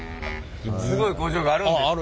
スゴい工場があるんですって。